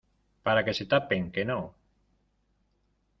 para que se tapen. que no .